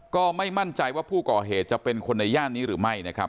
ก็ไม่มั่นใจว่าผู้ก่อเหตุจะเป็นคนในย่านนี้หรือไม่นะครับ